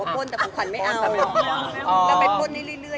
วันนี้นักขำเบื้อเรือ